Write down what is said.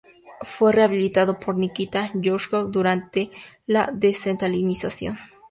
Fue rehabilitado por Nikita Jrushchov durante la desestalinización.